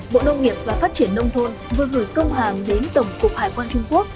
bộ nông nghiệp và phát triển nông thôn vừa gửi công hàng đến tổng cục hải quan trung quốc